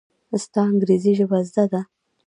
ستا انګرېزي ژبه زده ده!